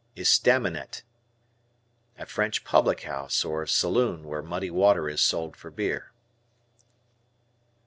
"Estaminet." A French public house, or saloon, where muddy water is sold for beer.